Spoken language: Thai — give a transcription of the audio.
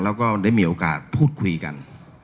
แล้วก็ได้มีโอกาสพูดคุยกัน